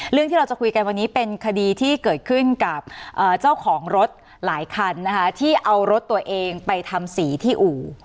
เรื่องที่เราจะคุยกันวันนี้เป็นคดีที่เกิดขึ้นกับเจ้าของรถหลายคันนะคะที่เอารถตัวเองไปทำสีที่อู่